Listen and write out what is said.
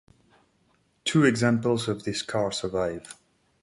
Two examples of this car survive.